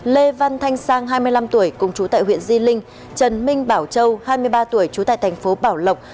lê văn thanh sang hai mươi năm tuổi cùng chú tại huyện di linh trần minh bảo châu hai mươi ba tuổi trú tại thành phố bảo lộc